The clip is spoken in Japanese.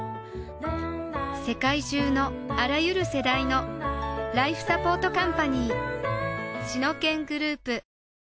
世界中のあらゆる世代のライフサポートカンパニーシノケングループ